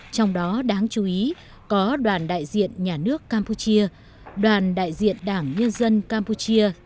trong đó đáng chú ý có đoàn đại diện nhà nước campuchia đoàn đại diện đảng nhân dân campuchia cpp cầm quyền